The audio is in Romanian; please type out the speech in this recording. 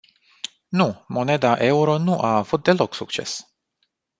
Nu, moneda euro nu a avut deloc succes.